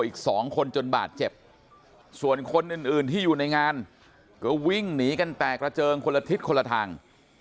อีก๒คนจนบาดเจ็บส่วนคนอื่นที่อยู่ในงานก็วิ่งหนีกันแตกระเจิงคนละทิศคนละทาง